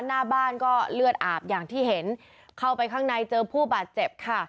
หน้าบ้านก็เลือดอาบอย่างที่เห็นเข้าไปข้างในเจอผู้บาดเจ็บค่ะ